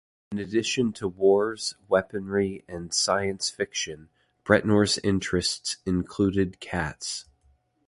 In addition to wars, weaponry and science fiction, Bretnor's interests included cats.